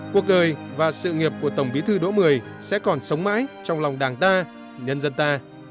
cuộc đời và sự nghiệp của tổng bí thư đỗ mười sẽ còn sống mãi trong lòng đảng ta nhân dân ta